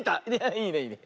いいねいいね。